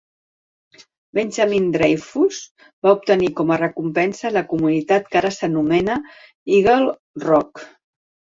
Benjamin Dreyfus va obtenir com a recompensa la comunitat que ara s'anomena Eagle Rock.